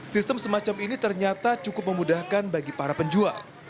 sistem semacam ini ternyata cukup memudahkan bagi para penjual